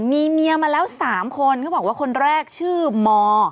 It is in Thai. มีเมียมาแล้ว๓คนเขาบอกว่าคนแรกชื่อม